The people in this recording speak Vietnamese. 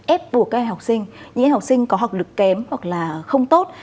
êp buộc các học sinh những học sinh có học lực kém hoặc là không tốt